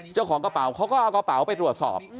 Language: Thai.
เจ้าของกระเป๋าเขาก็เอากระเป๋าไปตรวจสอบ